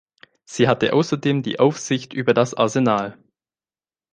Sie hatte außerdem die Aufsicht über das Arsenal.